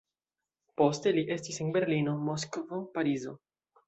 Poste li estis en Berlino, Moskvo, Parizo.